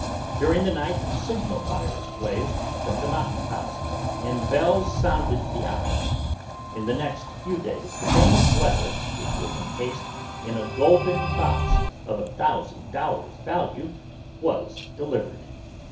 During the night signal fires blazed from the mountain tops and bells sounded the hours. In the next few days the famous letter, which was incased in a golden box of a thousand dollars value, was delivered.